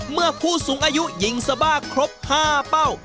เมื่อผู้สูงอายุยิงสบ้าครบ๕เป้า